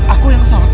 aku yang salah